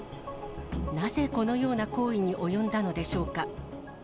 なぜこのような行為に及んだのでしょうか。